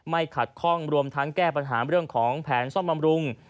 ขัดข้องรวมทั้งแก้ปัญหาเรื่องของแผนซ่อมบำรุง